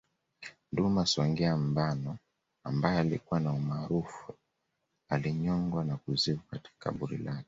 Nduna Songea Mbano ambaye alikuwa na umaarufu alinyongwa na kuzikwa katika kaburi lake